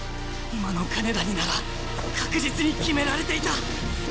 今の金田になら確実に決められていた！